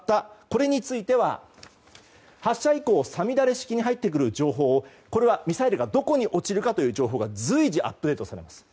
これについては発射以降さみだれ式に入ってくる情報をミサイルがどこに落ちるかという情報が随時アップデートされます。